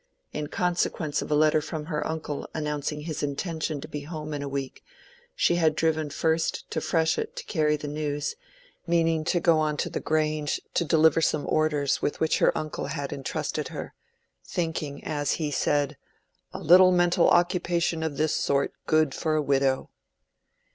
In consequence of a letter from her uncle announcing his intention to be at home in a week, she had driven first to Freshitt to carry the news, meaning to go on to the Grange to deliver some orders with which her uncle had intrusted her—thinking, as he said, "a little mental occupation of this sort good for a widow."